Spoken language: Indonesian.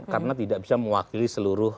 karena tidak bisa mewakili seluruh